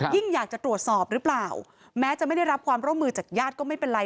อยากจะตรวจสอบหรือเปล่าแม้จะไม่ได้รับความร่วมมือจากญาติก็ไม่เป็นไร